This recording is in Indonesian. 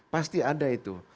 pasti ada itu